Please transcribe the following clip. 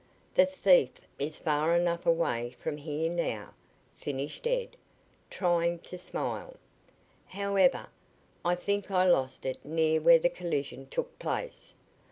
"The thief is far enough away from here now," finished Ed, trying to smile. "However, I think I lost it near where the collision took place.